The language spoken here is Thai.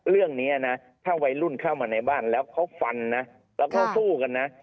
เรื่องนี้นะถ้าวัยรุ่นเข้ามาในบ้านแล้วเขาฟันนะแล้วเขาสู้กันนะ